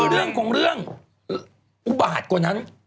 เรื่องของเรื่องอุบาตกว่านั้น